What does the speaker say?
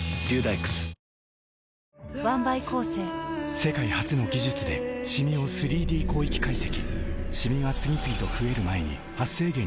世界初の技術でシミを３Ｄ広域解析シミが次々と増える前に「メラノショットＷ」